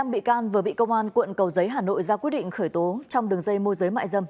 một mươi năm bị can vừa bị công an quận cầu giấy hà nội ra quyết định khởi tố trong đường dây mua giấy mại dâm